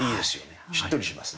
しっとりしますね。